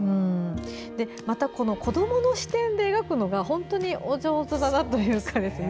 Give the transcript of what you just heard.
また、子どもの視点で描くのが本当にお上手だなというか。